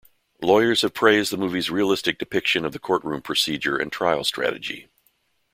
Lawyers have praised the movie's realistic depiction of courtroom procedure and trial strategy.